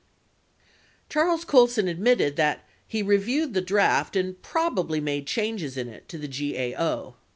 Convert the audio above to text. Charles Colson admitted that he "reviewed the draft and probably made changes in it" to the GAO.